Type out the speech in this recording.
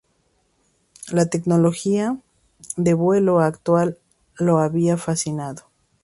La tecnología de vuelo actual lo había fascinado.